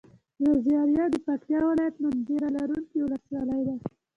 ځاځي اريوب د پکتيا ولايت منظره لرونکي ولسوالي ده.